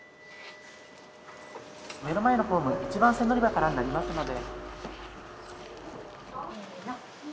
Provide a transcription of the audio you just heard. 目の前のホーム１番線乗り場からになりますので。